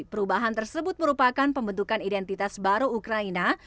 perubahan tersebut merupakan pembentukan identitas baru ukraina